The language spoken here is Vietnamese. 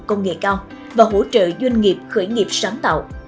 công nghệ cao và hỗ trợ doanh nghiệp khởi nghiệp sáng tạo